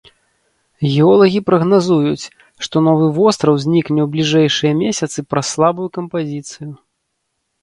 Геолагі прагназуюць, што новы востраў знікне ў бліжэйшыя месяцы праз слабую кампазіцыю.